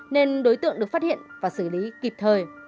nên đối tượng được phát hiện và xử lý kịp thời